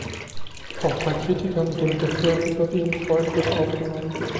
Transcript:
Auch bei Kritikern wurde der Film überwiegend freundlich aufgenommen.